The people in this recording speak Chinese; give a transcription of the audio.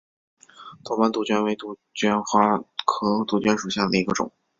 多斑杜鹃为杜鹃花科杜鹃属下的一个种。